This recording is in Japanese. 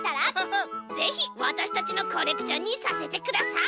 ぜひわたしたちのコレクションにさせてください。